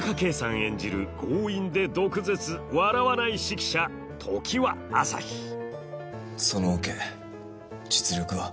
演じる強引で毒舌笑わない指揮者そのオケ実力は？